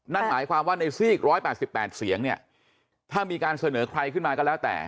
นั่นหมายความว่าในซีก๑๘๘เสียงเนี่ยถ้ามีการเสนอใครขึ้นมาก็แล้วแต่